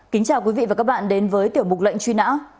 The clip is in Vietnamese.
kính chào quý vị và các bạn đến với tiểu mục lệnh truy nã